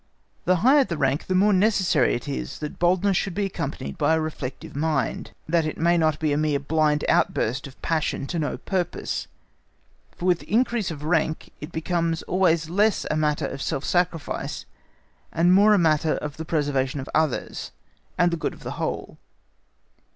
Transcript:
The higher the rank the more necessary it is that boldness should be accompanied by a reflective mind, that it may not be a mere blind outburst of passion to no purpose; for with increase of rank it becomes always less a matter of self sacrifice and more a matter of the preservation of others, and the good of the whole.